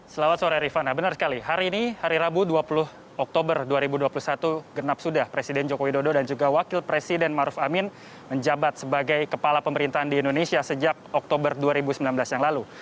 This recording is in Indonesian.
selamat sore rifana benar sekali hari ini hari rabu dua puluh oktober dua ribu dua puluh satu genap sudah presiden joko widodo dan juga wakil presiden maruf amin menjabat sebagai kepala pemerintahan di indonesia sejak oktober dua ribu sembilan belas yang lalu